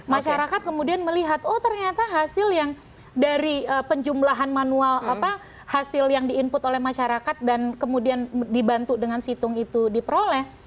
masyarakat kemudian melihat oh ternyata hasil yang dari penjumlahan manual hasil yang di input oleh masyarakat dan kemudian dibantu dengan situng itu diperoleh